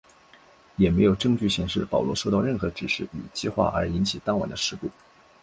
也没有证据显示保罗受到任何指示与计划而引起当晚的事故。